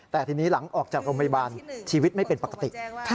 แต่ทีนี้หลังออกจากโรงพยาบาลชีวิตไม่เป็นปกติ